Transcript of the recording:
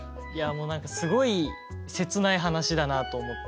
何かすごい切ない話だなと思って。